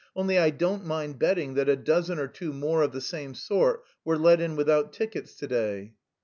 Only I don't mind betting that a dozen or two more of the same sort were let in without tickets to day."